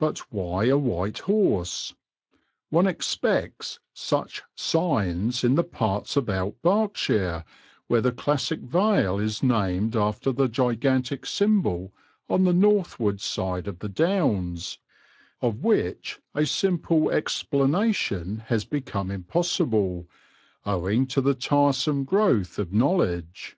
But why a white horse? One expects such signs in the parts about Berks, where the classic Vale is named after the gigantic symbol on the northward side of the Downs, of which a simple explanation has become impossible, owing to the tiresome growth of knowledge.